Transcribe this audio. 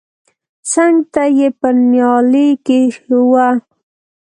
څنگ ته يې پر نيالۍ کښېښوه.